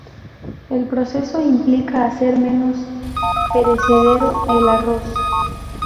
El proceso implica hacer menos perecedero el arroz.